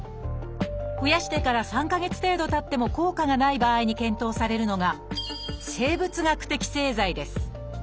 増やしてから３か月程度たっても効果がない場合に検討されるのが生物学的製剤です